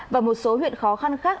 và một số huyện khó khăn khác